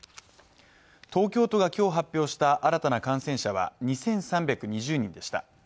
東京都が今日発表した新たな感染者は２３２０人でした。